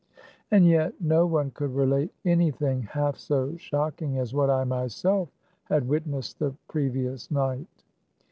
And yet no one could relate any thing half so shocking as what I myself had witnessed the previous night.